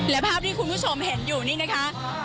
และภาพที่คุณผู้ชมเห็นอยู่นี่นะคะ